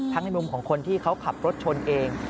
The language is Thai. ในมุมของคนที่เขาขับรถชนเอง